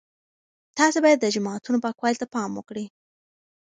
تاسي باید د جوماتونو پاکوالي ته پام وکړئ.